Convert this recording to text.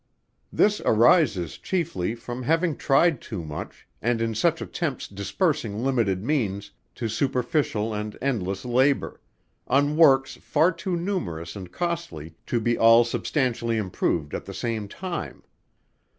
This arises, chiefly, from having tried too much, and in such attempts dispersing limited means, to superficial and endless labor; on works far too numerous and costly, to be all substantially improved at the same time.